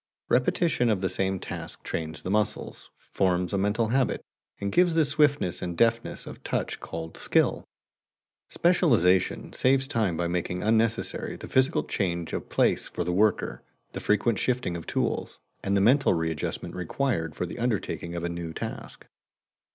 Repetition of the same task trains the muscles, forms a mental habit, and gives the swiftness and deftness of touch called skill. Specialization saves time by making unnecessary the physical change of place for the worker, the frequent shifting of tools, and the mental readjustment required for the undertaking of a new task.